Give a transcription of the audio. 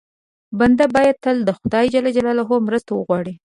بنده باید تل له خدای ج مرسته وغواړي.